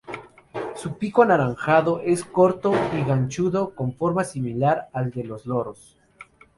Su pico anaranjado es corto y ganchudo, con forma similar al de los loros.